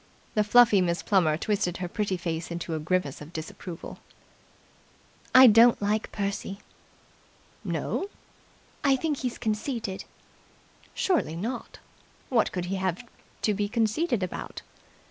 The fluffy Miss Plummer twisted her pretty face into a grimace of disapproval. "I don't like Percy." "No!" "I think he's conceited." "Surely not? What could he have to be conceited about?"